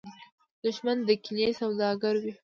دښمن د کینې سوداګر وي